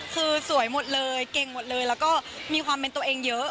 คือสวยหมดเลยเก่งหมดเลยแล้วก็มีความเป็นตัวเองเยอะ